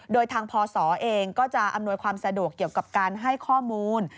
โดยทางพศเองก็จะอำนวยความสะดวกเกี่ยวกับการให้ข้อมูล